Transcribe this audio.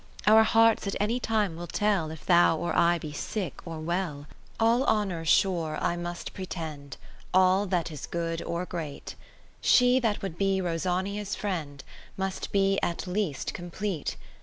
Our hearts at any time will tell, If thou, or I, be sick, or well. VII All Honour sure I must pretend, All that is good or Great ; She that would be Rosania's Friend, Must be at least complete.